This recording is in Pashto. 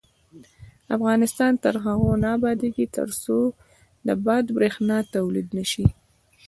افغانستان تر هغو نه ابادیږي، ترڅو د باد بریښنا تولید نشي.